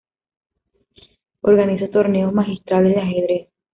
Organiza Torneos Magistrales de Ajedrez.